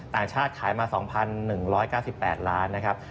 ต่างชาติขายมา๒๑๙๘ล้านนะครับ